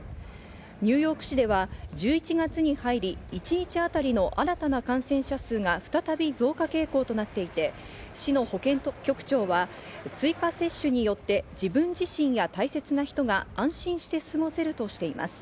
ニューヨーク市では１１月に入り、一日当たりの新たな感染者数が再び増加傾向となっていて市の保健局長は追加接種によって自分自身や大切な人が安心して過ごせるとしています。